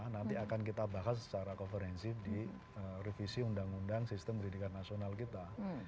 nanti akan kita bahas secara konferensi di revisi undang undang sistem pendidikan nasional kita